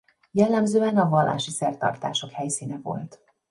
Jellemzően a vallási szertartások színhelye volt.